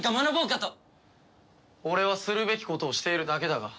俺はするべきことをしているだけだが。